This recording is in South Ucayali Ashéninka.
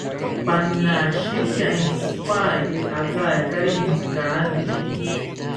Panashitya intzipaete agaikari inkani